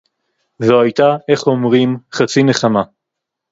זו היתה, איך אומרים, חצי נחמה